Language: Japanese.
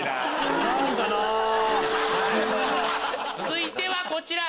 続いてはこちら！